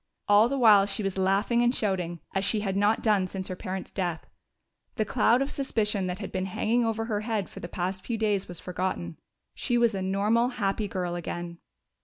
All the while she was laughing and shouting as she had not done since her parents' death; the cloud of suspicion that had been hanging over her head for the past few days was forgotten. She was a normal, happy girl again.